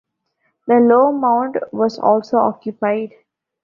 The Low Mound was also occupied.